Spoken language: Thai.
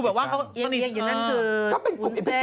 แล้วไหนอ่ะ